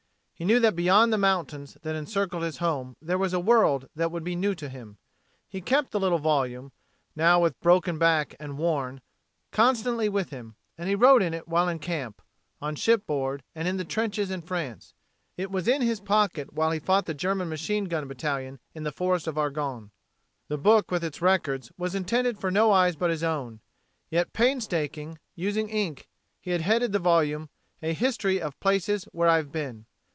He knew that beyond the mountains that encircled his home there was a world that would be new to him. He kept the little volume now with broken back and worn constantly with him, and he wrote in it while in camp, on shipboard and in the trenches in France. It was in his pocket while he fought the German machine gun battalion in the Forest of Argonne. The book with its records was intended for no eyes but his own. Yet painstaking, using ink, he had headed the volume: "A History of places where I have been."